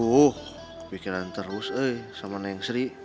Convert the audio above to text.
aduh kepikiran terus sama neng sri